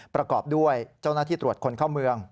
ประกอบด้วยเจ้าหน้าที่ตรวจคนเข้าเมือง